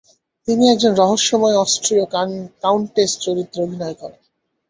তিনি একজন রহস্যময় অস্ট্রিয় কাউন্টেস চরিত্রে অভিনয় করেন।